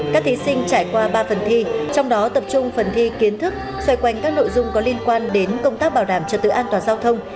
các thí sinh trải qua ba phần thi trong đó tập trung phần thi kiến thức xoay quanh các nội dung có liên quan đến công tác bảo đảm trật tự an toàn giao thông